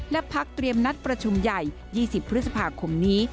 และพักเตรียมนัดประชุมใหญ่๒๐พฤษภาคมนี้